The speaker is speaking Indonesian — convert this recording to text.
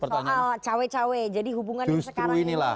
soal cawe cawe jadi hubungan yang sekarang ini